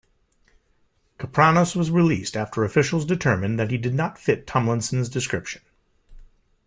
Kapranos was released after officials determined that he did not fit Tomlinson's description.